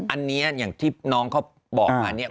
อันนี้อย่างที่น้องเขาบอกมาเนี่ย